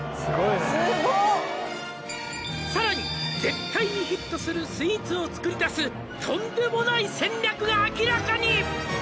すごっ「さらに絶対にヒットするスイーツを作り出す」「とんでもない戦略が明らかに！」